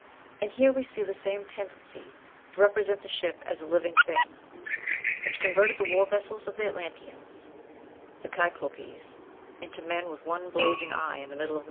And here we see the same tendency to represent the ship as a living thing, which converted the war vessels of the Atlanteans (the Kyklopes) into men with one blazing eye in the middle of the forehead.